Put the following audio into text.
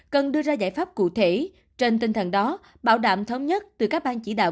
cần đưa ra giải pháp cụ thể trên tinh thần đó bảo đảm thống nhất từ các bang chỉ đạo